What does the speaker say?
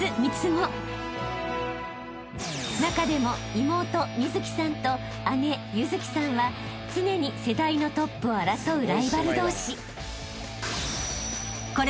［中でも妹美月さんと姉優月さんは常に世代のトップを争うライバル同士］